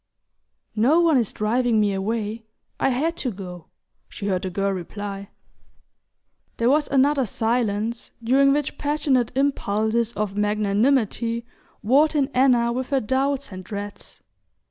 "No one is driving me away: I had to go," she heard the girl reply. There was another silence, during which passionate impulses of magnanimity warred in Anna with her doubts and dreads.